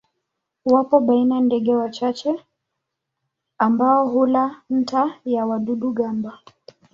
Wapo baina ndege wachache ambao hula nta ya wadudu-gamba.